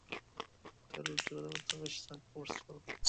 তবে লোকটির কথাবার্তা বেশ ফোর্সফুল।